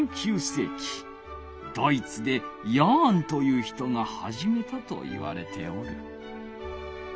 ドイツでヤーンという人がはじめたといわれておる。